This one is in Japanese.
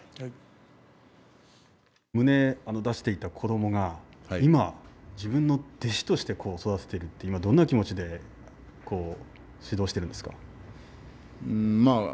胸を出していた子どもが、今自分の弟子として育てているというのはどんな気持ちで指導しているんですか。